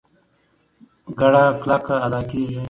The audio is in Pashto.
ګړه کلکه ادا کېږي.